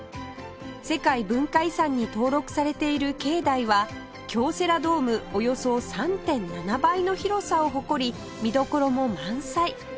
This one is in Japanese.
世界文化遺産に登録されている境内は京セラドームおよそ ３．７ 倍の広さを誇り見どころも満載